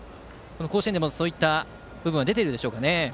甲子園でもそういった部分は出ているでしょうか。